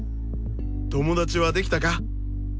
友達はできたか？